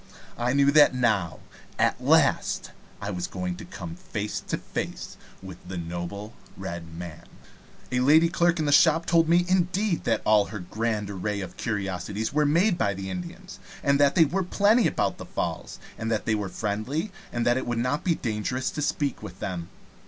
I knew that now, at last, I was going to come face to face with the noble Red Man. A lady clerk in a shop told me, indeed, that all her grand array of curiosities were made by the Indians, and that they were plenty about the Falls, and that they were friendly, and it would not be dangerous to speak to them.